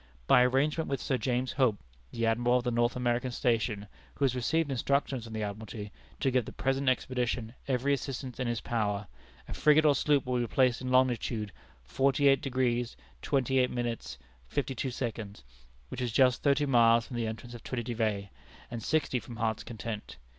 By arrangement with Sir James Hope, the admiral of the North American station, who has received instructions from the Admiralty to give the present expedition every assistance in his power, a frigate or sloop will be placed in longitude 48°, 25', 52", which is just thirty miles from the entrance of Trinity Bay, and sixty from Heart's Content.